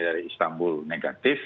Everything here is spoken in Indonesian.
dari istanbul negatif